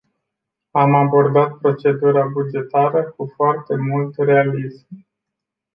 Am abordat procedura bugetară cu foarte mult realism.